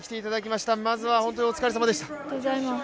まずは本当にお疲れさまでした。